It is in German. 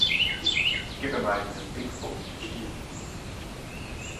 Gib mir mal dieses Dingsbums mit Stiel.